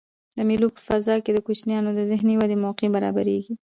د مېلو په فضا کښي د کوچنيانو د ذهني ودي موقع برابریږي.